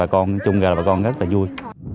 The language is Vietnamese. bà con chung ra là bà con rất là vui